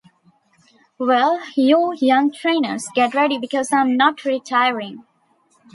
Well, you young trainers get ready because I'm not retiring.